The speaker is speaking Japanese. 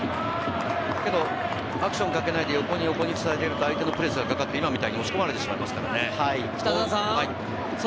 アクションをかけないで、横につながっていると相手のプレスにあって、今みたいに押し込まれてしまいますからね。